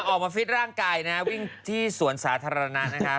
ฟิตร่างกายนะฮะวิ่งที่สวนสาธารณะนะคะ